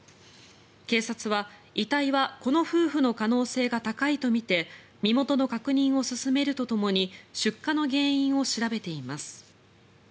警察は、遺体はこの夫婦の可能性が高いとみて身元の確認を進めるとともに出火の原因を調べています。